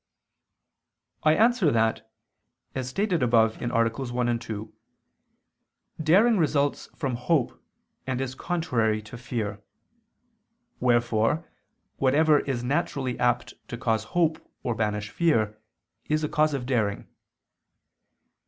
I answer that, As stated above (AA. 1, 2) daring results from hope and is contrary to fear: wherefore whatever is naturally apt to cause hope or banish fear, is a cause of daring.